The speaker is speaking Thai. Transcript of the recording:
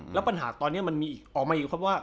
แล้วปัญหาตอนนี้ออกมาอีกคำว่า